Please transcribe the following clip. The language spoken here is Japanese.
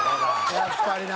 やっぱりな。